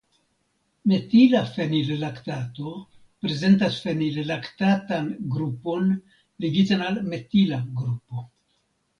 Metila fenillaktato prezentas fenillaktatan grupon ligitan al metila grupo.